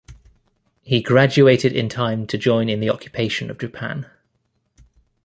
He graduated in time to join in the occupation of Japan.